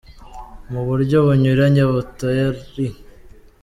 mu buryo bunyuranye butari.